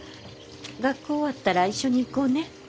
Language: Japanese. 学校終わったら一緒に行こうね。